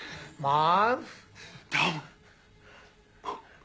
あっ！